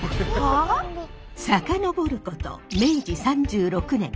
遡ること明治３６年。